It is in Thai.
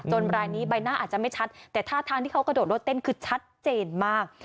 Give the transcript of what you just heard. รายนี้ใบหน้าอาจจะไม่ชัดแต่ท่าทางที่เขากระโดดรถเต้นคือชัดเจนมาก